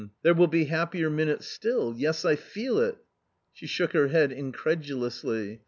there will be happier minutes still ; yes, I feel it !" She shook her head incredulously.